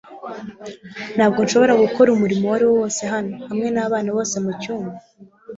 ntabwo nshobora gukora umurimo uwo ariwo wose hano hamwe nabana bose mucyumba